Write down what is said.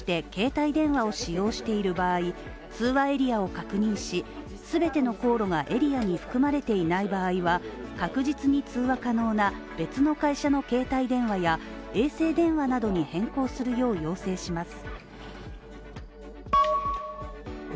通話エリアを確認し、全ての航路がエリアに含まれていない場合は確実に通話可能な別の会社の携帯電話や衛星電話などに変更するよう、要請します。